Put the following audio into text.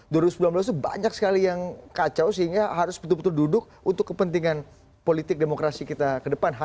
dua ribu sembilan belas itu banyak sekali yang kacau sehingga harus betul betul duduk untuk kepentingan politik demokrasi kita ke depan